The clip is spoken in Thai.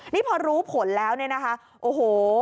นี่พอรู้ผลแล้วนะคะโอ้โฮ